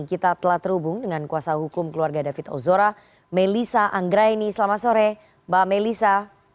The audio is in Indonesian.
kita telah terhubung dengan kuasa hukum keluarga david ozora melisa anggraini selamat sore mbak melisa